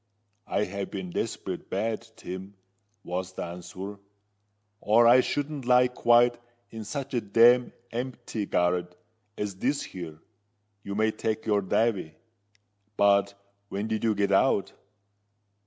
"I have been desperate bad, Tim," was the answer; "or I shouldn't lie quiet in such a damned empty garret as this here, you may take your davy. But when did you get out?"